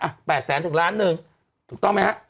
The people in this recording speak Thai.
อ่ะแปดแสนทุกล้านหนึ่งถูกต้องไหมฮะ